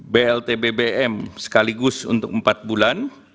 blt bbm sekaligus untuk empat bulan